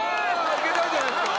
いけたんじゃないですか